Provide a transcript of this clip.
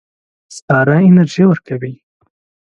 سکاره انرژي ورکوي.